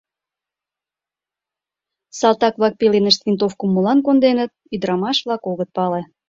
Салтак-влак пеленышт винтовкым молан конденыт — ӱдырамаш-влак огыт пале.